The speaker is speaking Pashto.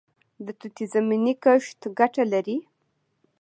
د توت زمینی کښت ګټه لري؟